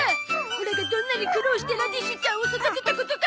オラがどんなに苦労してラディッシュちゃんを育てたことか！